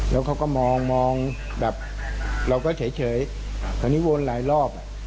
แล้วเขาก็มองมองแบบเราก็เฉยตอนนี้วนหลายรอบ